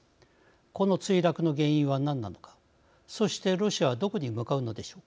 この墜落の原因は何なのかそしてロシアはどこに向かうのでしょうか。